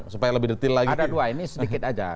supaya lebih detail lagi ada dua ini sedikit aja